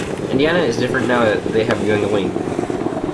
Indiana is different now that they have Yuengling.